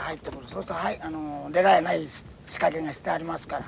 そうすると出られない仕掛けがしてありますから。